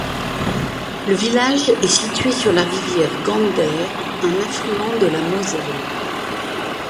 Le village est situé sur la rivière Gander, un affluent de la Moselle.